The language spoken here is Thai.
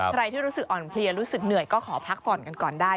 ใครที่รู้สึกอ่อนเพลียรู้สึกเหนื่อยก็ขอพักผ่อนกันก่อนได้